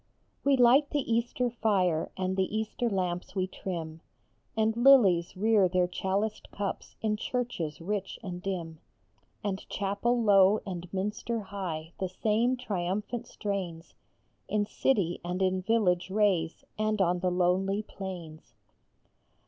jjE light the Easter fire, and the Easter lamps we trim, And lilies rear their chaliced cups in churches rich and dim, And chapel low and Minster high the same triumphant strains In city and in village raise, and on the lonely plains.